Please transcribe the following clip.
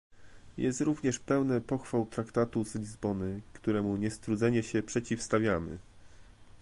Jest również pełne pochwał traktatu z Lizbony, któremu niestrudzenie się przeciwstawiamy